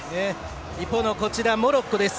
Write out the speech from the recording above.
一方のモロッコです。